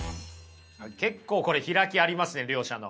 結構これ開きありますね両者の。